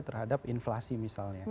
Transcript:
terhadap inflasi misalnya